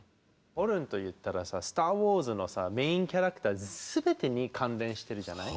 ホルンといったらさ「スター・ウォーズ」のメインキャラクター全てに関連してるじゃない？